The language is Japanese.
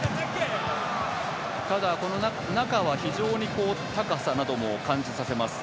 中は非常に高さなども感じさせます